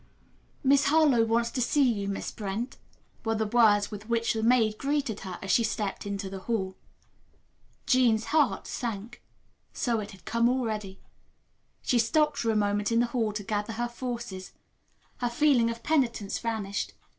"Miss Harlowe wants to see you, Miss Brent," were the words with which the maid greeted her as she stepped into the hall. Jean's heart sank. So it had come already. She stopped for a moment in the hall to gather her forces. Her feeling of penitence vanished.